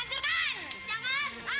anggur gini buah